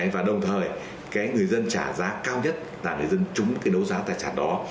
và đồng thời cái người dân trả giá cao nhất là người dân trúng cái đấu giá tài sản đó